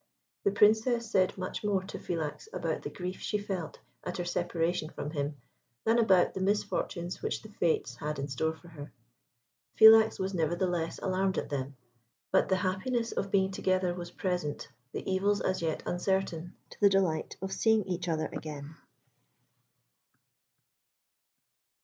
The Princess said much more to Philax about the grief she felt at her separation from him than about the misfortunes which the Fates had in store for her. Philax was, nevertheless, alarmed at them; but the happiness of being together was present, the evils, as yet, uncertain.